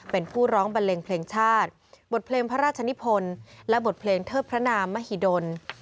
เป็นผู้ร้องบันเลงเพลงชาติบทเพลงพระราชนิพลและบทเพลงเทิดพระนามมหิดล